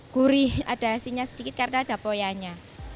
gurih ada hasilnya sedikit karena ada koyanya